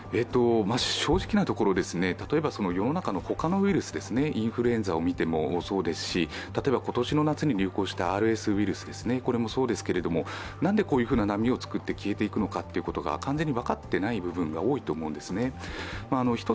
正直なところ、例えば世の中の他のウイルス、インフルエンザを見てもそうですし、例えば今年の夏に流行したＲＳウイルスもそうですけどなぜ、こういうふうな波を作って消えていくのか、完全に分かっていない部分が多いと思うんですね。